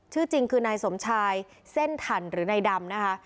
ชื่อจริงคือนายสมชายเส้นถันหรือนายดำนะคะ